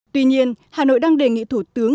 tuy nhiên hà nội đang đề nghị thủ tướng